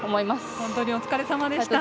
本当にお疲れまでした。